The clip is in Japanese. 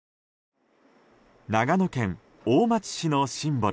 長野県大町市のシンボル